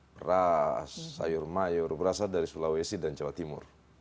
beras sayur mayur berasal dari sulawesi dan jawa timur